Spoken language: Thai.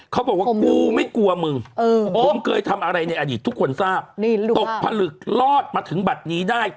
เขาบอกว่ากูไม่กลัวมึงผมเคยทำอะไรในอดีตทุกคนทราบตกผลึกรอดมาถึงบัตรนี้ได้